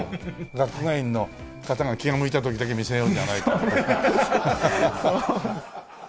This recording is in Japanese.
学芸員の方が気が向いた時だけ見せよう。